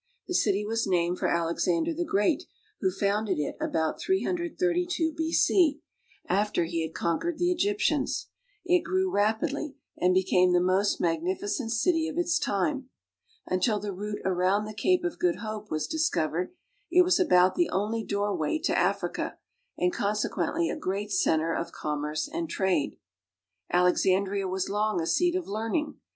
The city was named for Alexander the Great, who founded it about 332 B.C. after he had conquered the Egyptians. It grew rapidly and became the most magnificent city of its time. Until the route around the Cape of Good Hope was dis covered, it was about the only doorway to Africa, and con sequently a great center of commerce and trade. Alexandria was long a seat of learning.